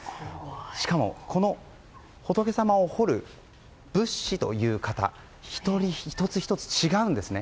しかも、この仏様を彫る仏師という方１つ１つ違うんですね。